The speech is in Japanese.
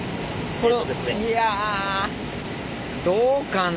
いやどうかな。